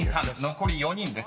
残り４人です］